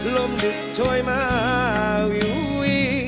ลมดึกช่วยมาอยู่